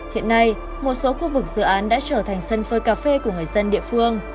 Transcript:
hiện nay một số khu vực dự án đã trở thành sân phơi cà phê của người dân địa phương